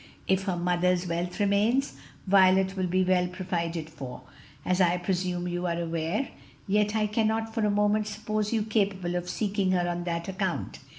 If her mother's wealth remains, Violet will be well provided for, as I presume you are aware, yet I cannot for a moment suppose you capable of seeking her on that account.